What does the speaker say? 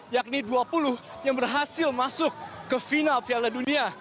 yakni dua puluh yang berhasil masuk ke final piala dunia